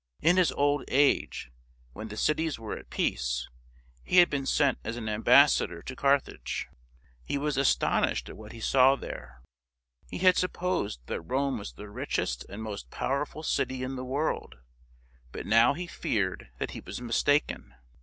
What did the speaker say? In his old age, when the cities were at peace, he had been sent as an ambas sador to Carthage. He was astonished at what he saw there. He had supposed that Rome was the richest and most powerful city in the world; but now he feared that he was mistaken.